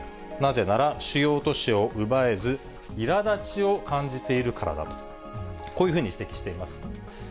なぜなら、主要都市を奪えず、いらだちを感じているからだと、こういうふうに指摘しています。